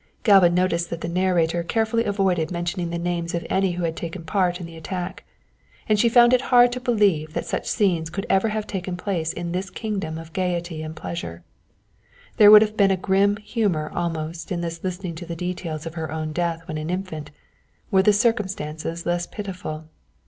Galva noticed that the narrator carefully avoided mentioning the names of any who had taken part in the attack, and she found it hard to believe that such scenes could have ever taken place in this kingdom of gaiety and pleasure. There would have been a grim humour almost in this listening to the details of her own death when an infant, were the circumstances less pitiful.